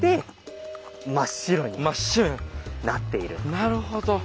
なるほど！